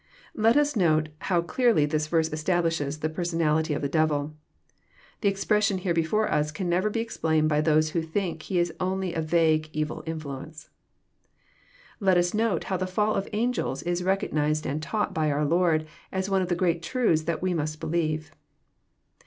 Let us note how clearly this verse establishes the personality of the devil. Tbe expression before us can never be explained by those who think he is only a vague evil influence. Let us note how the fiall of angels Is recognized and tavght by our Lord, as one of the great truths that we must believe.